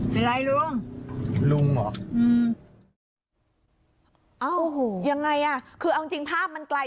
เป็นไรลุงลุงเหรออืมเอ้าโอ้โหยังไงอ่ะคือเอาจริงจริงภาพมันไกล